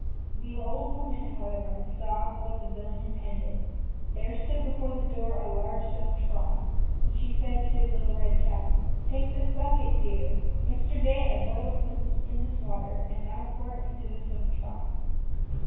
The old woman, however, saw what the villain intended. There stood before the door a large stone trough, and she said to Little Red Cap, "Take this bucket, dear: yesterday I boiled some meat in this water, now pour it into the stone trough."